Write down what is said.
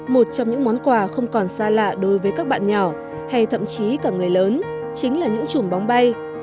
một trong những món quà không còn xa lạ đối với các bạn nhỏ hay thậm chí cả người lớn chính là những chùm bóng bay